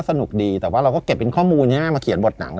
สนุกดีแต่ว่าเราก็เก็บเป็นข้อมูลใช่ไหมมาเขียนบทหนัง